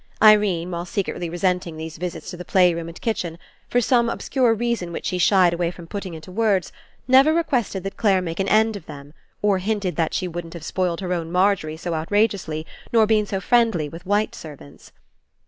Irene, while secretly resenting these visits to the playroom and kitchen, for some ob scure reason which she shied away from putting into words, never requested that Clare make an end of them, or hinted that she wouldn't have spoiled her own Margery so outrageously, nor been so friendly with white servants.